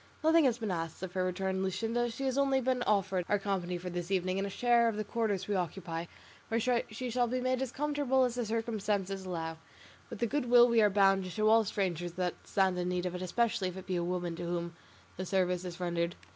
"Nothing has been asked of her," returned Luscinda; "she has only been offered our company for this evening and a share of the quarters we occupy, where she shall be made as comfortable as the circumstances allow, with the good will we are bound to show all strangers that stand in need of it, especially if it be a woman to whom the service is rendered."